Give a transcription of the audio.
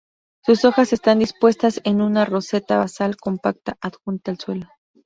Sus hojas están dispuestas en una roseta basal compacta adjunta al suelo.